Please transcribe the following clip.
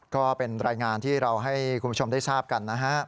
ก็เป็นรายงานที่เราให้คุณผู้ชมได้ทราบกันนะฮะ